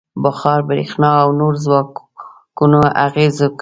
• بخار، برېښنا او نورو ځواکونو اغېز وکړ.